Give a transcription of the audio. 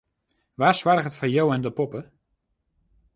Wa soarget foar jo en de poppe?